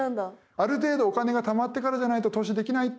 ある程度お金がたまってからじゃないと投資できないって思ってる人